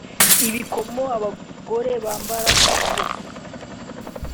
ibikomo abagore bambara ku maboko